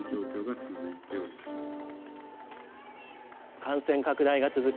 感染拡大が続く